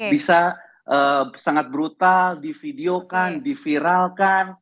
bisa sangat brutal divideokan diviralkan